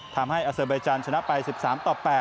ทำให้อาเซอร์ใบจันทร์ชนะไป๑๓ต่อ๘